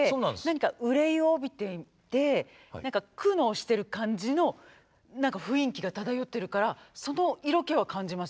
何か憂いを帯びていて何か苦悩している感じの何か雰囲気が漂ってるからその色気は感じますよ私。